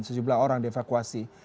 sejumlah orang dievakuasi